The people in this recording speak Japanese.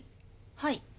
はい。